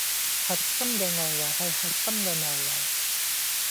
核心嘅外圍係核心嘅內圍